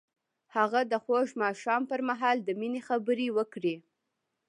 هغه د خوږ ماښام پر مهال د مینې خبرې وکړې.